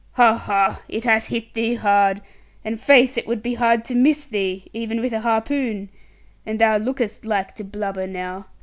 'Ha, ha! It hath hit thee hard. And faith, it would be hard to miss thee, even with harpoon. And thou lookest like to blubber, now.